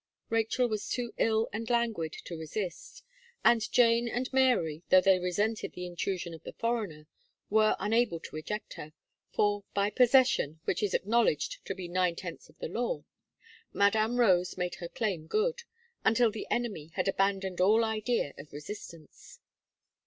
Rachel was too ill and languid to resist; and Jane and Mary, though they resented the intrusion of the foreigner, were unable to eject her, for, by possession, which is acknowledged to be nine tenths of the law, Madame Rose made her claim good, until the enemy had abandoned all idea of resistance.